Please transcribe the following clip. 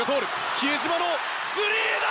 比江島のスリーだ！